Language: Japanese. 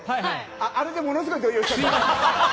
あれでものすごい動揺しちゃった。